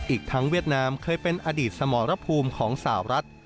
อีกทั้งเวียดนามเคยเป็นอดีตสมรภูมิของสาวรัฐ